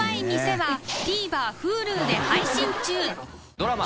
ドラマ